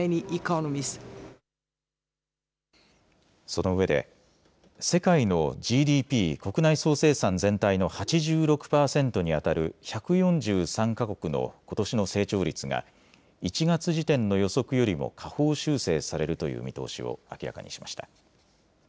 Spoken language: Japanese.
そのうえで世界のＧＤＰ・国内総生産全体の８６％にあたる１４３か国のことしの成長率が１月時点の予測よりも下方修正されるという見通しを明らかにしました。